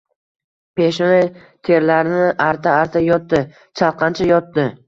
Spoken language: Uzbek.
Peshona terlarini arta-arta yotdi. Chalqancha yotdi.